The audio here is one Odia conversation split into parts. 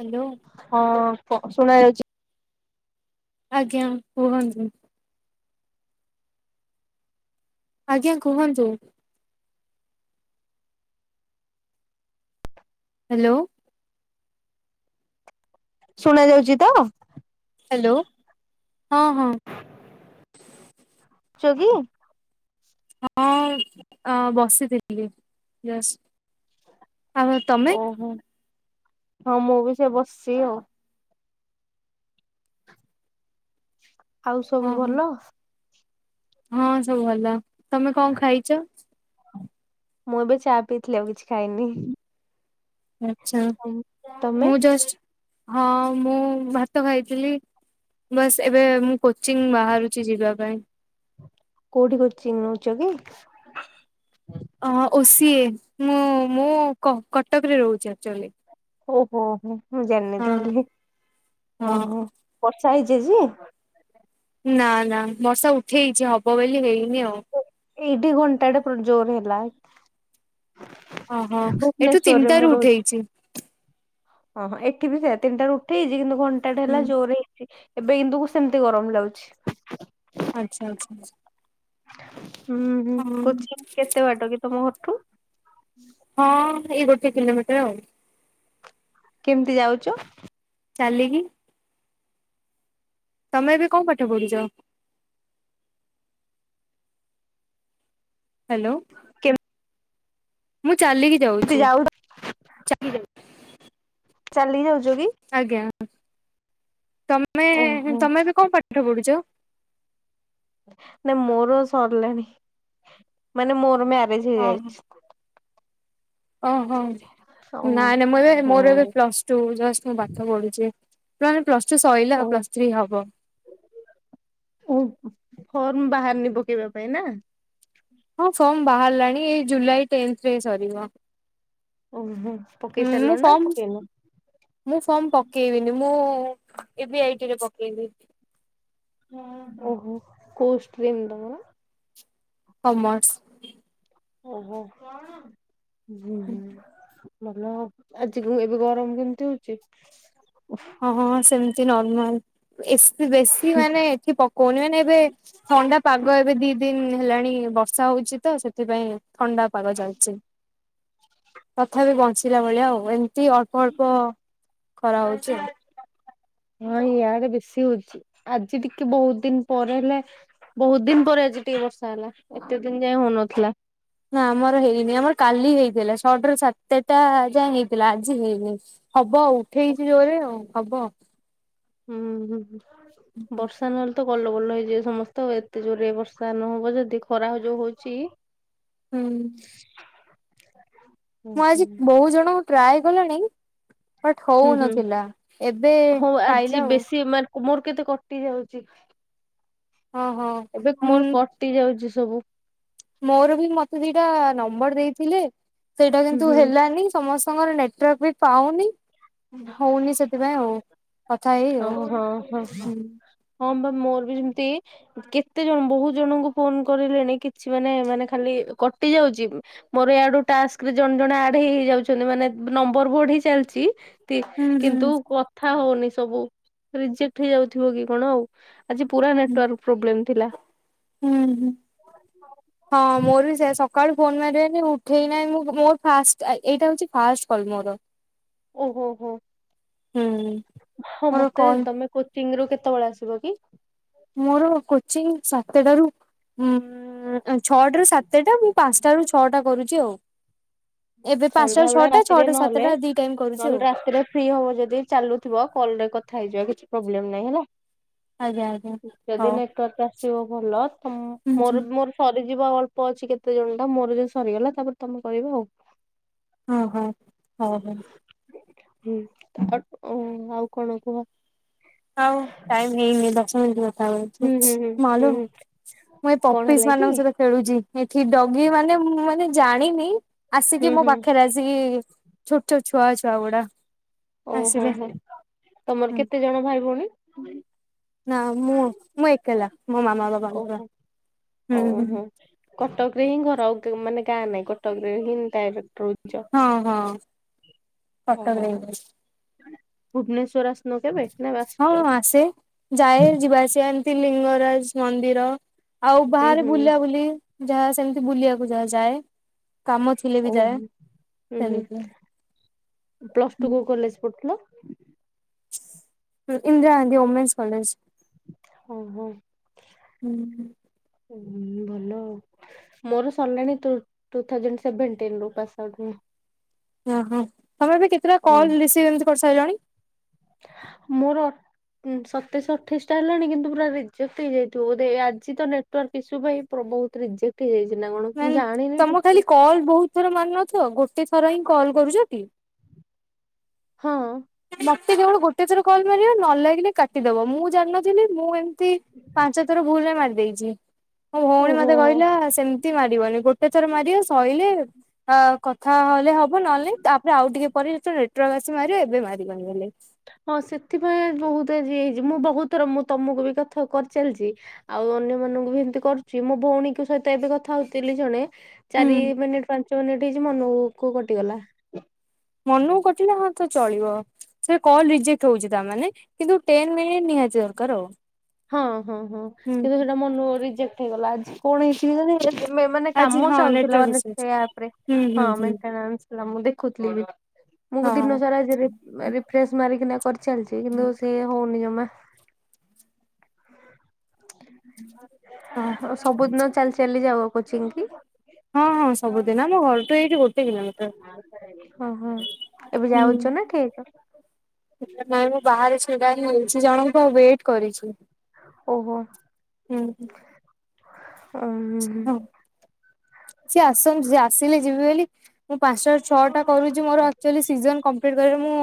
ହାଲୋ। ହଁ, ଶୁଣା ଯାଉଚି। ଆଜ୍ଞା, କୁହ ଆଜ୍ଞା, କୁହନ୍ତୁ। [inaudible] ଶୁଣା ଯାଉଚି ତ? [inaudible] [inaudible] [unintelligible] ଆଉ ତମେ ଓହୋ, ହଁ ମୁଁ ବି ସେ ବସ୍‌ଚି ଆଉ। ଆଉ ସବୁ ହଁ ହଁ ଭଲ? ହଁ, ସବୁ ଭଲ। ତମେ ଙ୍କ ଖାଇଚ? ମୁଁ ଏବେ ଚା ପିଇଥିଲି, ଆଉ କିଛି ଖାଇନି। ଆଚ୍ଛା, ତମେ ମୁଁ ଜଷ୍ଟ୍ ହଁ ମୁଁ ଭାତ ଖାଇଥିଲି। ବସ୍ ଏବେ ମୁଁ କୋଚିଂ ବାହାରୁଚି ଯିବା ପାଇଁ। କଉଠି କୋଚିଂ ନଉଚ କି? ଓସିିଏ ମୁଁ ମୁଁ କଟକରେ ରହୁଚି ଆକ୍ଚୋଲି। ହଁ [inaudible] ନା ନା ବର୍ଷା ଉଠେଇଚି, ହବ ବଲି ହେଇନି ଆଉ। ଏଇଠି ଘଣ୍ଟାଟେ ଜୋରେ ହେଲା। ଓହୋ ଏଠୁ ଭୁବ୍ନେଶ୍ଵର୍ ରେ ମୁଁ ତିନିଟାରୁ ରହୁଚି। ଉଠେଇଛି ଏଠି ବି ସେୟା ତିନିଟାରୁ ଉଠେଇଚି। କିନ୍ତୁ ଘଣ୍ଟାଟା ହୁଁ ହେଲା ଜୋ ଏବେ କିନ୍ତୁ ସେମ୍ତି ଗରମ୍ ଲାଗୁଛି। [inaudible] ହୁଁ ହୁଁ, ହଁ କୋଚିଂ କେତେ ବାଟ କି ତମ ଘର୍ ଠୁ? ହଁ, ଏଇ ଗୋଟି କିଲୋମିଟର୍ ଆଉ। କେମ୍ତି ଯାଉଚ? ଚାଲିକି। ତମେ ଏବେ ଙ୍କ ପାଠ ପଢୁଚ? ହାଲୋ। କେମ ମୁଁ ଚାଲିକି କେମିତି ଯାଉଛି। ଯାଉ ଚାଲିକି ଯାଉଚ କି? ଆଜ୍ଞା, ତୋମେ ଓହୋ ତୋମେ ଏବେ କଣ ପାଠ ପଢୁଚ? ନା ମୋର ସରଲାଣି, ମାନେ ମୋର ମ୍ୟାରେଜ୍ ହେଇଯାଇଛି। ଅ, ହଁ, ଓ ନାଇଁ, ନାଇଁ ମୁଁ ଏବେ ମୋର ଏବେ ପ୍ଲସ୍ ଟୁ ଜଷ୍ଟ ମୁଁ ପାଠ ପଢୁଛି। [unintelligible] ପ୍ଲସ୍ ଟୁ ସଇଲା, ଓ ପ୍ଲସ୍ ଥ୍ରୀ ହବ। ଓ ଫର୍ମ ବାହାରନି ପକେଇବା ପାଇଁ ନା? ହଁ ଫର୍ମ ବାହାରିଲାଣି, ଏଇ ଜୁଲାଇ ଟେନ୍ଥରେ ସରିବ। ଓହୋ! ହୁଁ ମୁଁ ପକେଇସାରଲଣି ନା ଫର୍ମ ପକେଇନ? ମୁଁ ଫର୍ମ ପକେଇବିନି, ମୁଁ ଇ ଭି ଆଇଟି ରେ ପକେଇବି। ଓହୋ, କୋଉ ଷ୍ଟ୍ରିମ୍ ତୋମର? କମର୍ସ। ଓହୋ! [inaudible] ଭଲ ଆଜି ଗୁଁ, ଏବେ ଗରମ କେମତି ହଉଛି? ଅଁ, ହଁ ସେମତି ନର୍ମାଲ୍ ଏସି ବେଶୀ ମାନେ ଏଠି ପକଉନି। ମାନେ ଏବେ ଥଣ୍ଡା ପାଗ ଏବେ ଦି ଦିନ ହେଲାଣି ବ ର୍ଷା ହଉଛି ତ ସେଥିପାଇଁ ଥଣ୍ଡା ପାଗ ଚାଲଛି। ତଥାପି ବଞ୍ଚିଲା ଭଳିଆ ଆଉ ଏମିତି ଅଳ୍ପ ଅଳ୍ପ ଖରା ହଉ ହଁ ଇଆଡେ ବେଶୀ ହଉଛି, ଆଜି ଟିକେ ବହୁତ ଦିନ ପରେ ହେଲେ ବହୁତ ଦିନ ପରେ ଆଜି ଟିକେ ବର୍ଷା ହେଲା, ଏତେ ଦିନ ଯାଏ ହଉନଥିଲା। ନା ଆମର ହେଇନି ଆମର କାଲି ହେଇଥିଲା, ଛଟାରୁ ସାତଟା ଯାଏ ହେଇଥିଲା ଆଜି ହେଇନି। ହବ ଉଠେଇଚି ଜୋରରେ ଆଉ ହବ। ଉଁ, ହୁଁ ବର୍ଷ ର୍ଷା ନହେଲେ ତ କଲ ବଲ ହେଇଯିବ ସମସ୍ତ, ଏତେ ଜୋରରେ ବର୍ଷା ନହବ ଯଦି ଖରା ଯୋଉ ହଉଛି। ହୁଁ। [inaudible] ମୁଁ ହୁଁ। ଆଜି ବହୁ ଜଣଙ୍କୁ ଟ୍ରାଏ କଲିଣି ବଟ୍ ହୁଁ ହୁଁ ହଉନଥିଲା, ଏବେ ପାଇଲା ଆଉ। ଓ ମୋର କେତେ କଟି ଯାଉଚି। ହୋ, ହୋ। ଏବେ ମୋର କଟି ଯାଉଛି ସବୁ। ମୋର ବି ମୋତେ ଦିଟା ନମ୍ବର୍ ଦେଇଥିଲେ, ସେଇଟା ହୁଁ କିନ୍ତୁ ହୁଁ ହେଲାନି। ସମସ୍ତଙ୍କର ନେଟୱାର୍କ ବି ପାଉନି, ହଉନି ସେଥିପାଇଁ ଆଉ। କଥା ହେଇ ଆଉ ହଁ ହଁ ହଁ। ହୁଁ,। ହଁ ବା ମୋର ବି ସେମତି କେତେ ଜଣ ବହୁତ ଜଣଙ୍କୁ ଫୋନ୍ କରିଲେଣି କିଛି ମାନେ ମାନେ ଖାଲି କଟି ଯାଉଚି। ଉଁ, ମୋର ଇଆଡୁ ଟାସ୍କରେ ଜଣେ ଜଣେ ଆଡ୍ ହେଇ ହେଇ ଯାଉଛନ୍ତି ମାନେ ନମ୍ବର୍ ବଢ଼ି ଚାଲଚି। ତି ହୁଁ ହୁଁ କିନ୍ତୁ କଥା ହଉନି ସବୁ ରିଜେକ୍ଟ ହେଇଯାଉଥିବ କି କଣ ଆଉ। ଆଜି ପୁରା ନେଟୱାର୍କ ପ୍ରୋବ୍ଲେମ୍ ଥିଲା। ଅ, ହଁ। ହଁ ମୋର ବି ସେୟା ସକାଳୁ ଫୋନ୍ ମାରିବେନି ଉଠେଇ ନାଇ ମୁଁ, ମୋର ଫାଷ୍ଟ ଆଏ, ଏଇଟା ହଉଛି ଫାଷ୍ଟ କଲ୍ ମୋର। [inaudible] ଓହୋ! ହୋ। ହୁଁ। ହଁ ମୋର ମୋତେ କଲ ତୋମେ କୋଚିଂ ରୁ କେତେବେଳେ ଆସିବ କି? ମୋର କୋଚିଂ ସାତଟାରୁ ଉଁ, ଅଁ, ଛଅଟାରୁୁ ସାତଟା ମୁଁ ପାନ୍ସଟା ରୁ ଛଅଟା କରୁଛି ଆଉ। ଏବେ ପାଞ୍ଚଟାରୁ ସନ୍ଧ୍ୟା ବେଳେ ଛଅଟା ରାତିରେ ଛଅଟାରୁ ନହେଲେ, ସାତଟା ଦି ଟାଇମ କରୁଛି ନଲେ ଆଉ ରାତିରେ ଫ୍ରି ହବ ଯଦି ଚାଲୁଥିବ କଲ ରେ କଥା ହେଇଯିବା କିଛି ପ୍ରୋବ୍ଲେମ ନାହିଁ ହେଲା। ଆଜ୍ଞା ଆଜ୍ଞା ଯଦି ହଉ। ନେଟୱର୍କ ଆସିବ ଭଲ ତ ହୁଁ ହୁଁ। ମୋର ମୋର ସରିଯିବ ଆଉ ଅଳ୍ପ ଅଛି କେତେ ଜଣ ଟା। ମୋର ଯଦି ସରିଗଲା ତାପରେ ତମେ କରିବ ଆଉ। ହଁ ହଁ ହଉ ହଉ। ହଁ ଆ ଆଉ କଣ କୁହ? ହଉ ଟାଇମ ହେଇନି ଦଶ ମିନିଟ୍ ଅ ଆଉ ଅଛି ହୁଁ ହୁଁ ହୁଁ ହୁଁ ମାଲୋ ହୁଁ ଏ କଣ ପପିସ୍ ହେଲା କି? ମାନଙ୍କ ସହିତ ଖେଳୁଚି। ଏଠି ଡଗି ମାନେ ମୁଁ ମାନେ ଜାଣିନି। ହୁଁ ଆସିକି ମୋ ହୁଁ ପାଖରେ ଆସିକି ଛୋଟ ଛୋଟ ଛୁଆ ଛୁଆ ଗୁଡା। ଓହୋ ଆସିଲେ ହୋ ତମର ହୁଁ। କେତେ ଜଣ ଭାଇ ଭଉଣୀ? ନା ମୁଁ ମୁଁ ଏକଲା ମୋ ମାମା ବାବାଙ୍କର ହୁଁ ହୁଁ। କଟକ ରେ ହିଁ ଘର ଆଉ ଗା ମାନେ ଗାଁ ନାଇଁ କଟକ ରେ ହିଁ ଡାଇରେକ୍ଟ ରହୁ। ହଁ ହଁ। ଓ ହୋ କଟକରେ ହୋ। ଏଇଠି। ଭୁବନେଶ୍ଵର ଆସିନ କେବେ? ନା ଆସିଛ? ହଁ ଆସେ। ଯାଏ ଯିବା ଆସିବା ଏମିତି ଲିଙ୍ଗରାଜ ମନ୍ଦିର। ଆଉ ହୁଁ ବାହାରେ ହୁଁ ବୁଲା ବୁଲି ଯାହା ସେମିତି ବୁଲିବାକୁ ଯାହା ଯାଏ। କାମ ଥିଲେ ବି ଓହୋ ଯାଏ ହୁଁ ହୁଁ ସେମିତି ପ୍ଲସ ଟୁ ହୁଁ। କୋଉ କଲେଜ ପଢୁଥିଲ? Indira Gandhi women's college. ଓହୋ ଭଲ ଆଉ। ମୋର ସରିଲାଣି ଟୁ ଟୁ ଥାଉଜେଣ୍ଡ ସେଭେଣ୍ଟିନ୍ ରୁ ପାସ୍ ଆଉଟ୍ ମୁଁ। ଓହୋ। ତମେ ବି କେତେଟା ହୁଁ। କଲ୍ ରିସିଭ ଏମିତି କରିସାଇଲଣି? ମୋର ଉଁ ସତେଇଶ ଅଠେଇଶ ଟା ହେଲାଣି କିନ୍ତୁ ପୁରା ରିଜେକ୍ଟ ହେଇଯାଇଥିବ ବୋଧେ। ଆଜି ତ ନେଟ୍ ଟୱାର୍କ ଇସୁ ପାଇଁ ପୁରା ବହୁତ ରିଜେକ୍ଟ ହେଇଯାଇଚି ନା କଣ ମୁଁ ଜାଣିନି ଠିକ ସେ। କଲ ବହୁତ ଥର ମାରୁନଥିବ ଗୋଟେ ଥର ହିଁ କଲ୍ କରୁଚ ଟି? ହଁ। ମତେ କେବଳ ଗୋଟେ ଥର କଲ୍ ମାରିବ ନ ଲାଗିଲେ କାଟିଦବ। ମୁଁ ଜାଣିନ ଥିଲି ମୁଁ ଏମିତି ପାଞ୍ଚ ଥର ଭୁଲ ରେ ମାରିଦେଇଚି ମୋ ଭଉଣୀ ଓହୋ। ମତେ କହିଲା ସେମିତି ମା ରିବନି। ଗୋଟେ ଥର ମାରିବ ସଇଲେ ଆ କଥା ହେଲେ ହ ବ ନହେଲେ ନାଇଁ ତାପରେ ଆଉ ଟିକେ ପରେ ଜେତେଳେ ନେଟୱାର୍କ ଆସିବ ମାରିବ ଏବେ ମାରିବନି ବୋଇଲେ। ହଁ ସେଥିପାଇଁ ବହୁତ ଆଜି ହେଇଚି। ମୁଁ ବହୁତ ଥର ମୁଁ ତମକୁ ବି କଥା କରିଚାଲିଚି। ଆଉ ଅନ୍ୟ ମାନଙ୍କୁ ବି ଏମିତି କରୁଛି ମୋ ଭଉଣୀଙ୍କ ସହିତ ଏବେ କଥା ହଉଥିଲି ଜଣେ ହୁଁ ଚାରି ମିନିଟ ପାଞ୍ଚ ମିନିଟ୍ ହେଇଚି ମନ କୁ କଟିଗଲା। ମନକୁ କଟିଲା ହଁ ତ ଚଳିବ। ସେ କଲ ରଜେକ୍ଟ ହଉଚି ତାମାନେ କିନ୍ତୁ ଟେନ୍ ମିନିଟ୍ ନିହାତି ଦରକାର ଆଉ। ହଁ ହଁ ହଁ ହୁଁ କିନ୍ତୁ ସେଇଟା ମନୁ ରିଜେକ୍ଟ ହେଇଗଲା ଆଜି। ପୁଣି [unintelligible] ମାନେ ଆଜି କାମ ହଁ ଚାଲୁଥିଲା ନେଟୱାର୍କ ମାନେ ଇସୁ ଅଛି ୟା ଉପରେ ହୁଁ ହୁଁ ହଁ ହୁଁ ମେଣ୍ଟେନାନ୍ସ ହେଲା ମୁଁ ଦେଖୁଥିଲି ବି ମୁଁ ଦିନ ହଁ। ସାରା ରି ରିଫ୍ରେସ ମାରିକିନା କରିଚାଲିଚି କିନ୍ତୁ ସିଏ ହଉନି ଜମା। ହଁ ଆଉ ସବୁଦିନ ଚାଲି ଚାଲି ଯାଉ କୋଚିଂ କି? ହଁ ହଁ ସବୁଦିନ ଆମ ଘରଠୁ ଏଇଠି ଗୋଟେ କିଲୋମିଟର। ହଁ ହଁ ଏବେ ହୁଁ। ଯାଉଛ ନା ଠିଆହେଇଚ? ନାଇଁ ମୁଁ ବାହାରେ ଛିଡା ହିଁ ହେଇଚି। ଜଣଙ୍କୁ ୱେଟ କରିଛି। ଓହୋ। ହୁଁ ଉଁ ହୁଁ। ହଁ ସିଏ ଆସନ୍ତୁ ସିଏ ଆସିଲେ ଯିବି ବୋଲି ମୁଁ ପାଞ୍ଚଟା ରୁ ଛଅଟା କରୁଚି ମୋର ଆକଚୁଆଲି ସିଜନ କମ୍ପଲିଟ କରି ମୁଁ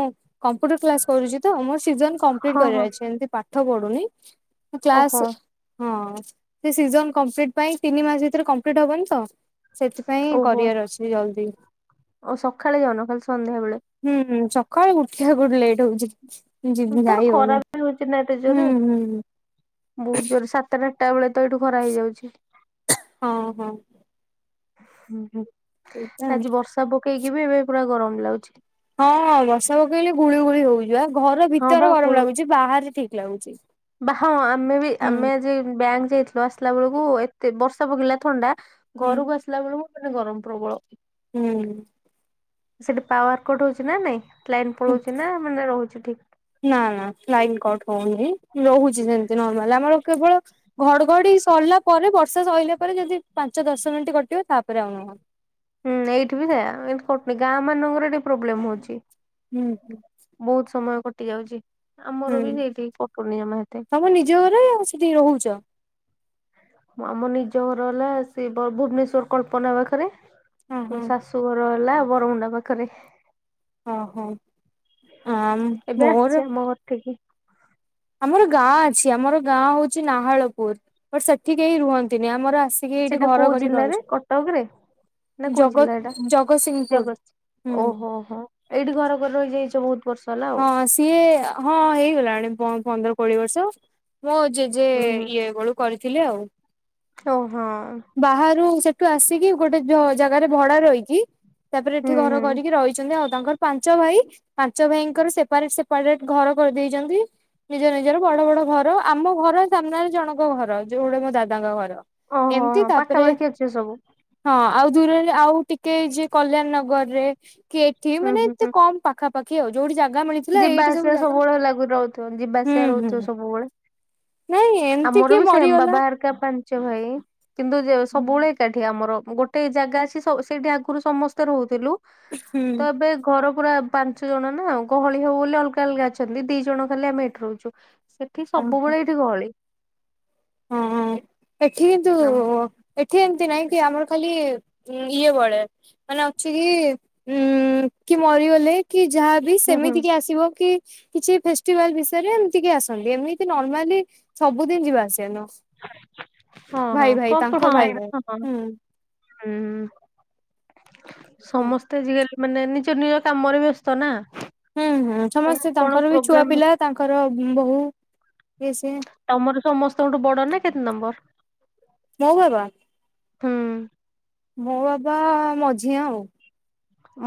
କମ୍ପ୍ୟୁଟର କ୍ଲାସ କରୁଚି ତ ମୋର ସିଜନ କମପ୍ଲିଟ ହଁ ହଁ କରିବାର ଅଛି। ଏମତି ପାଠ ପାଠ ପଢ଼ୁନି ମୁଁ କ୍ଲାସ୍ ଓହୋ ହଁ ସିଜନ୍ କମ୍ପ୍ଲିଟ ପାଇଁ ତିନି ମାସ ଭିତରେ କମ୍ପ୍ଲିଟ ହବନି ତ ସେଥିପାଇଁ ଓହୋ କରିବାର ଅଛି ଜଲଦି। ଓ ସଖାଳେ ଯାଉନ ଖାଲି ସନ୍ଧ୍ୟା ବେଳେ ହୁଁ ହୁଁ ସକାଳୁ ଉଠିବାକୁ ଲେଟ୍ ହଉଚି। ଯିବି ତାପରେ ଯାଇ ଖରା ହଉନି ବି ହଉଛି ନା ଏତେ ହୁଁ ଜୋରେ ହୁଁ ହୁଁ। ବହୁତ ଜୋର ସାତଟା ଆଠଟା ବେଳେ ତ ଏଇଠୁ ଖରା ହେଇଯାଉଛି। ହଁ ହଁ। ହୁଁ ହୁଁ ସେଇଟା ଆଜି ବର୍ଷା ପକେଇକି ବି ଏବେ ପୁରା ଗରମ ଲାଗୁଛି। ହଁ ହଁ ବର୍ଷା ପକେଇଲେ ଗୁଳି ଗୁଳି ହଉଛି ଆ ଘର ହଁ ବା ଭିତରେ ଗରମ ଗୁଳୁ ଲାଗୁଛି ବାହାରେ ଠିକ ଲାଗୁଛି। ବା ହଁ ଆମେ ବି ହୁଁ ଆମେ ଆଜି ବ୍ୟାଙ୍କ ଯାଇଥିଲୁ ଆସିଲା ବେଳକୁ ଏତେ ବର୍ଷା ପକେଇଲା ଥଣ୍ଡା ହୁଁ ଘରକୁ ଆସିଲା ବେଳୁକୁ ମାନେ ଗରମ ପ୍ରବଳ ହୁଁ। ସେଠି ପାୱାର କଟ ହଉଛି ନା ନାଇଁ ଲାଇନ୍ ପଳଉଛି ନା ମାନେ ରହୁଛି ଠିକ? ନା ନା ଲାଇନ୍ କଟ ହଉନି ରହୁଛି ସେମତି ନର୍ମାଲ ଆମର କେବଳ ଘଡ଼ଘଡ଼ି ସରିଲା ପରେ ବର୍ଷା ସଇଲା ପରେ ଯଦି ପାଞ୍ଚ ଦଶ ମିନିଟ୍ କଟିବ ତାପରେ ଆଉ ନୁହଁ। ହୁଁ ଏଇଠି ବି ସେୟା ଏମତି କଟୁନି ଗାଁ ମାନଙ୍କରେ ଟିକେ ପ୍ରୋବ୍ଲେମ ହଉଛି। ହୁଁ ହୁଁ। ବହୁତ ସମୟ କଟି ଯାଉଚି ଆମର ବି ସେଇଠି କଟୁନି ଜମା ଏତେ ଜୋରେ ଆଉ ସେଠି ରହୁଛ ଆମ ନିଜ ଘର ହେଲା ସେ ଭୁବନେଶ୍ଵର କଳ୍ପନା ପାଖରେ ହଁ ହଁ। ମୋ ଶାଶୁ ଶାଶୁଘର ହେଲା ବରମୁଣ୍ଡା ପାଖରେ। ଓ ହଉ ଆମ୍ ଏବେ ମୋର ଆସଛି ଆମ ଘର ଠିକି ଆମର ଗାଁ ଅଛି ଆମର ଗାଁ ହଉଛି ନାହାଳପୁର ବଟ ସେଠି କେହି ରୁହନ୍ତିନି ଆମର ଆଶ୍ ସେଟା କୋଉ ଜିଲ୍ଲାରେ କଟକରେ? ନା କୋଉ ଜଗତ ଜିଲ୍ଲା ଏଇଟା ଜଗତସିଂହପୁର ଜଗସିଂହପୁର ହୁଁ। ଓହୋ ହୋ ଏଇଠି ଘର ଘର ରହିଯାଇଛୁ ବହୁତ ବର୍ଷ ହେଲା ଆଉ। ହଁ ସିଏ ହଁ ହେଇଗଲାଣି ପନ୍ ପନ୍ଦର କୋଡିଏ ବର୍ଷ ମୋ ଜେଜେ ହୁଁ ହୁଁ। ଇଏ ବେଳୁ କରିଥିଲେ ଆଉ ଓହୋ ହଁ। ବାହାରୁ ସେଠ ସେଠୁ ଆସିକି ଗୋଟେ ଜାଗାରେ ଭଡା ରହିକି ତାପରେ ଏଠି ହୁଁ ଘର ହୁଁ କରିକି ରହିଛନ୍ତି ଆଉ ତାଙ୍କର ପାଞ୍ଚଭାଇ ପାଞ୍ଚ ଭାଇଙ୍କର ସେପାରେଟ ସେପାରେଟ ଘର କରିଦେଇଛନ୍ତି। ନିଜ ନିଜର ବଡ଼ ବଡ଼ ଘର ଆମ ଘର ସାମ୍ନାରେ ଜଣଙ୍କ ଘର ଯୋଉ ଗୁଡା ମୋ ଦାଦାଙ୍କ ଘର। ଓହୋ ଏମତି ହଁ ତାପରେ ପାଖାପାଖି ଅଛି ସବୁ ହଁ ଆଉ ଦୂରରେ ଆଉ ଟିକେ ଯିଏ କଲ୍ୟାଣ ନଗରରେ କି ଏଠି ହୁଁ ମାନେ ହୁଁ ଏତେ ହୁଁ। କମ୍ ପାଖାପାଖି ଆଉ ଯୋଉଠି ଜାଗା ମିଳି ଯିବା ଆସିବା ସବୁବେଳେ ଲାଗୁ ରହୁଥିବ ଯିବା ହୁଁ ଆସିବା ହୁଁ। ରହୁଥିବ ସବୁବେଳେ ନାଇଁ ଏମିତି ଆମର କିଏ ବି ସେମ୍ ମରିଗଲା ବାବା ହାରିକା ପାଞ୍ଚ ଭାଇ କିନ୍ତୁ ଯେ ସବୁବେଳେ କାଠି ଆମର ଗୋଟେ ଜାଗା ଅଛି ସବୁ ସେଇଠି ଆଗରୁ ସମସ୍ତେ ରହୁଥିଲୁ ହୁଁ ତ ଏବେ ଘର ପୁରା ପାଞ୍ଚ ଜଣ ନା ଗହଳି ହବ ବୋଲି ଅଲଗା ଅଲଗା ଅଛନ୍ତି ଦି ଜଣ ଖାଲି ଆମେ ଏଠି ରହୁଛୁ। ସେଠି ଓହୋ। ସବୁବେଳେ ଏଠି ଗହଳି। ହଁ ହଁ ଏଠି କିନ୍ତୁ ହୁଁ ଏଠି ଏମିତି ନାଇଁ କି ଆମର ଖାଲି ଇଏ ବଳେ ମାନେ ଅଛି କି ଉଁ କି ମରିଗଲେ କି ଯାହାବି ହୁଁ ସେମିତି କି ଆସିବ କି କିଛି ଫେଷ୍ଟିଭାଲ୍ ବିଷୟରେ ଏମିତିକି ଆସନ୍ତି ଏମିତି ନର୍ମାଲି ସବୁଦିନ ଯିବା ଆସିବା ନୁହ। ହଁ ହଁ ଭାଇ ଭାଇ କଣ ତାଙ୍କ ହଁ ଭାଇ ଭାଇ ହଁ ହୁଁ। ହୁଁ ହୁଁ ସମସ୍ତେ ଆଜିକାଲି ମାନେ ନିଜ ନିଜ କାମରେ ବ୍ୟସ୍ତ ନା ହୁଁ ହୁଁ କଣ ସମସ୍ତେ କଣ ତାଙ୍କର ବି ଛୁଆ ପ୍ରୋଗ୍ରାମ ପିଲା ତାଙ୍କର ବୋହୁ ସେ ତମର ସମସ୍ତଙ୍କଠୁ ବଡ ନା କେତେ ନମ୍ବର? ମୋ ବାବା ହୁଁ ମୋ ବାପା ମଝିଆ ଆଉ।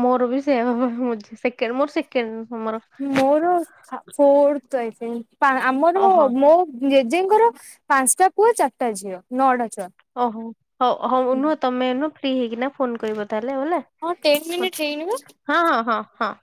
ମୋର ବି ସେଇଆ ବାପା ମୋଝି ସେକେଣ୍ଡ ମୋର ସେକେଣ୍ଡ ମୋର। ମୋର [unintelligible] ଆମର ଓହୋ ମୋ ଜେଜେଙ୍କର ପାନ୍ ସଟା ପୁଅ ଚାରିଟା ଝିଅ ନଅଟା ଛୁଆ। ଓହୋ ହଉ ହଉ ନୁହଁ ତମେ ନୁହଁ ଫ୍ରି ହେଇକିନା ଫୋନ୍ କରିବ ତାହେଲେ ଆଉ ହେଲା। ହଁ ଟେନ୍ ମିନିଟ୍ ହେଇନି ବା। ହଁ ହଁ ହଁ ହଁ।